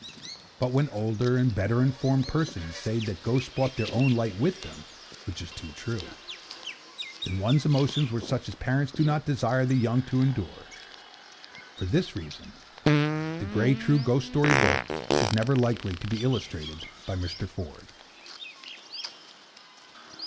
But when older and better informed persons said that ghosts brought their own light with them (which is too true), then one's emotions were such as parents do not desire the young to endure. For this reason 'The Grey True Ghost Story Book' is never likely to be illustrated by Mr. Ford.